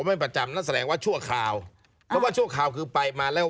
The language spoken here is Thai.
ไม่ประจำนั่นแสดงว่าชั่วคราวเพราะว่าชั่วคราวคือไปมาแล้ว